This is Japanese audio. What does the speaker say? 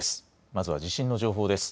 まずは地震の情報です。